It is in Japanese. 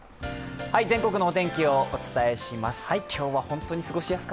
全国のお天気をお伝えします。